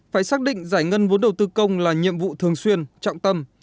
phải xác định giải ngân vốn đầu tư công là nhiệm vụ thường xuyên trọng tâm